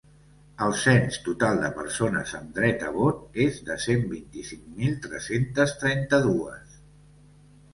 El cens total de persones amb dret a vot és de cent vint-i-cinc mil tres-centes trenta-dues.